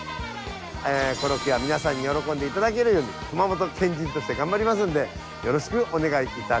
コロッケは皆さんに喜んでいただけるように熊本県人として頑張りますんでよろしくお願いいたし。